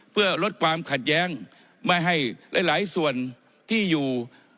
เพื่อลดความขัดแย้งไม่ให้หลายส่วนที่อยู่